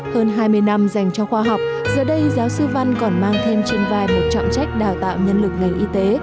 hơn hai mươi năm dành cho khoa học giờ đây giáo sư văn còn mang thêm trên vai một trọng trách đào tạo nhân lực ngành y tế